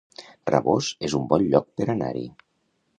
Rabós es un bon lloc per anar-hi